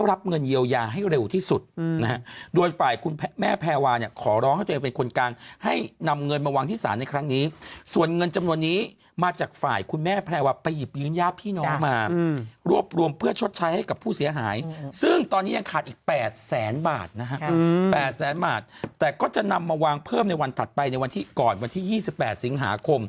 รับเงินเยียวยาให้เร็วที่สุดนะฮะโดยฝ่ายคุณแม่แพรวาเนี่ยขอร้องให้ตัวเองเป็นคนกลางให้นำเงินมาวางที่ศาลในครั้งนี้ส่วนเงินจำนวนนี้มาจากฝ่ายคุณแม่แพรวาไปหยิบยืนญาติพี่น้องมารวบรวมเพื่อชดใช้ให้กับผู้เสียหายซึ่งตอนนี้ยังขาดอีก๘แสนบาทนะฮะ๘แสนบาทแต่ก็จะนำมาวางเพิ่มในวันถัดไปในวันที่ก่อนวันที่๒๘สิงหาคม